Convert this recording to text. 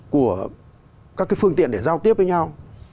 của các cái phương tiện để giao tiếp với nhau